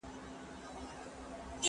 يتيم په ژړا پوخ دئ.